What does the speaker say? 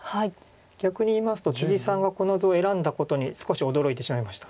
逆にいいますとさんがこの図を選んだことに少し驚いてしまいました。